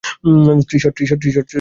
Three shot, please.